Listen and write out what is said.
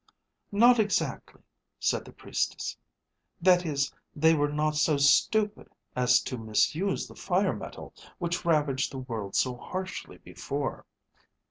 "Not exactly," said the Priestess. "That is, they were not so stupid as to misuse the fire metal which ravaged the world so harshly before.